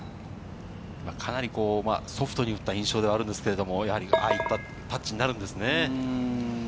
かなりソフトに打った印象ですけれども、ああいったタッチになるんですね。